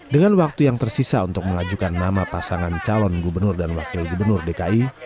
dengan waktu yang tersisa untuk mengajukan nama pasangan calon gubernur dan wakil gubernur dki